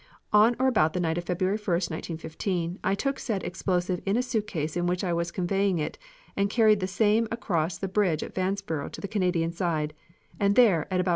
On or about the night of February 1, 1915, I took said explosive in a suitcase in which I was conveying it and carried the same across the bridge at Vanceboro to the Canadian side, and there, about 1.